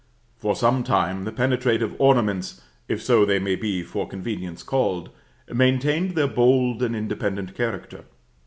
For some time the penetrative ornaments, if so they may be for convenience called, maintained their bold and independent character.